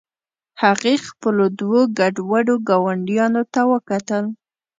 هغې خپلو دوو ګډوډو ګاونډیانو ته وکتل